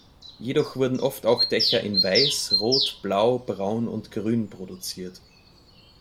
Jedoch wurden oft auch Dächer in Weiß, Rot, Blau, Braun und Grün produziert.